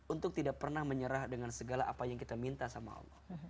untuk tidak pernah menyerah dengan segala apa yang kita minta sama allah